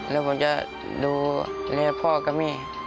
แล้วผมจะดูแลพ่อกับแม่